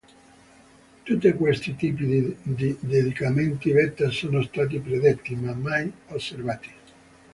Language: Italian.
Tutte questi tipi di decadimenti beta sono stati predetti, ma mai osservati.